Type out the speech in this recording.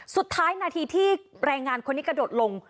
สุดท้ายนาทีที่แรงงานคนนี้กระโดดลง